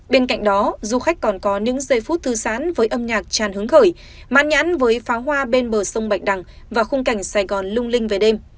bên cạnh đó du khách còn có những giây phút thư sán với âm nhạc tràn hứng khởi mãn nhãn với phá hoa bên bờ sông bạch đằng và khung cảnh sài gòn lung linh về đêm